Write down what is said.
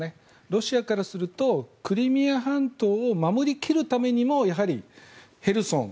ロシアからするとクリミア半島を守り切るためにもやはり、ヘルソン